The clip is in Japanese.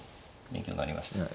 勉強になりました。